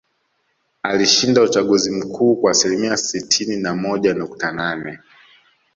Alishinda uchaguzi mkuu kwa asilimia sitini na moja nukta nane